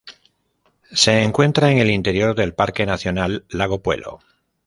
Se encuentra en el interior del Parque Nacional Lago Puelo.